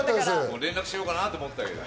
連絡しようかなと思ったけどね。